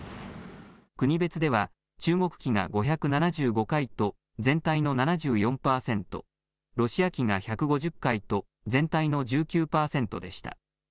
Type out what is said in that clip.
国別では中国機が５７５回と全体の７４％、ロシア機が１５０回と全体の１９％でした。